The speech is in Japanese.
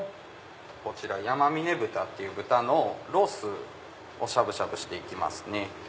こちら山峰っていう豚のロースをしゃぶしゃぶして行きますね。